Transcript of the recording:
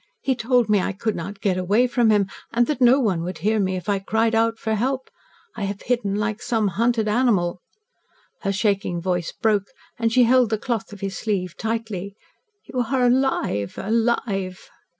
He told me I could not get away from him and that no one would hear me if I cried out for help. I have hidden like some hunted animal." Her shaking voice broke, and she held the cloth of his sleeve tightly. "You are alive alive!"